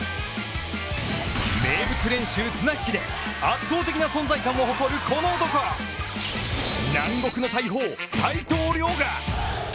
名物練習綱引きで圧倒的な存在感を誇るこの男南国の大砲、齋藤崚雅。